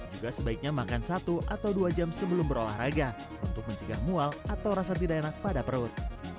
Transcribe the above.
juga sebaiknya makan satu atau dua jam sebelum berolahraga untuk mencegah mual atau rasa tidak enak pada perut